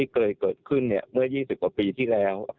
เคยเกิดขึ้นเมื่อ๒๐กว่าปีที่แล้ว